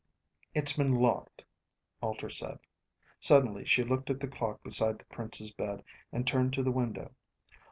"It's been locked," Alter said. Suddenly she looked at the clock beside the Prince's bed, and turned to the window.